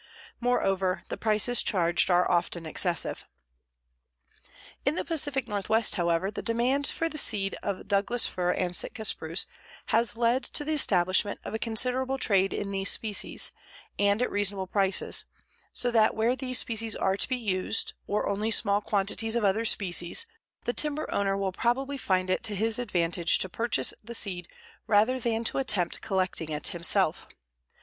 Moreover, the prices charged are often excessive. In the Pacific Northwest, however, the demand for seed of Douglas fir and Sitka spruce has led to the establishment of a considerable trade in these species, and at reasonable prices, so that where these species are to be used, or only small quantities of other species, the timber owner will probably find it to his advantage to purchase the seed rather than to attempt collecting it himself.